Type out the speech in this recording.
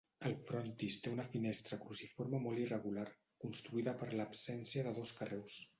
El frontis té una finestra cruciforme molt irregular, construïda per l'absència de dos carreus.